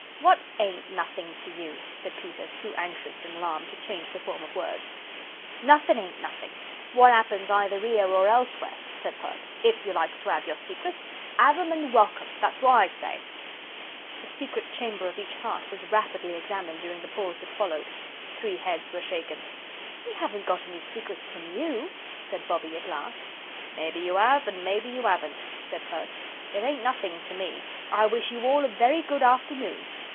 "What AIN'T nothing to you?" said Peter, too anxious and alarmed to change the form of words. "Nothing ain't nothing. What 'appens either 'ere or elsewhere," said Perks; "if you likes to 'ave your secrets, 'ave 'em and welcome. That's what I say." The secret chamber of each heart was rapidly examined during the pause that followed. Three heads were shaken. "We haven't got any secrets from YOU," said Bobbie at last. "Maybe you 'ave, and maybe you 'aven't," said Perks; "it ain't nothing to me. And I wish you all a very good afternoon."